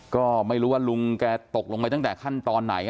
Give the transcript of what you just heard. ก็ไม่รู้ว่าลุงแกตกลงไปตั้งแต่ขั้นตอนไหน